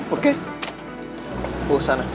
oke gue kesana